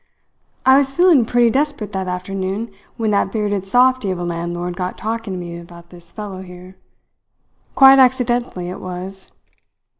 I was feeling pretty desperate that afternoon, when that bearded softy of a landlord got talking to me about this fellow here. Quite accidentally, it was.